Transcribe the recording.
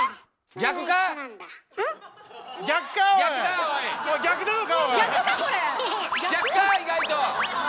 逆か⁉意外と！